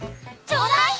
ちょうだい！